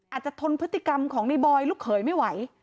อาจจะทนพฤติกรรมของนายบอยลุกเขยไม่ไหว